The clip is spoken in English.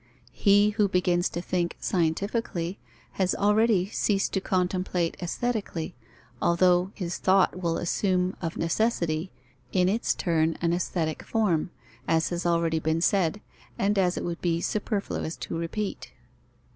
He who begins to think scientifically has already ceased to contemplate aesthetically; although his thought will assume of necessity in its turn an aesthetic form, as has already been said, and as it would be superfluous to repeat.